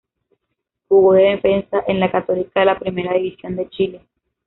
Jugó de defensa en la Católica de la Primera División de Chile.